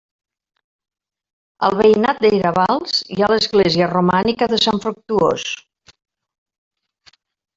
Al veïnat d'Iravals hi ha l'església romànica de Sant Fructuós.